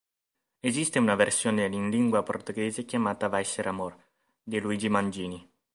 Esiste una versione in lingua portoghese chiamata "Vai Ser Amor" di Luigi Mangini.